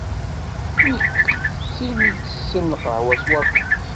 Nekk d tin itessen lqahwa s waṭas.